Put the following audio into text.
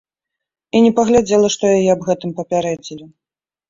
І не паглядзела, што яе аб гэтым папярэдзілі.